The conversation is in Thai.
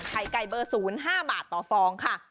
ไข่ไก่เบอร์๐๕บาทต่อฟองค่ะ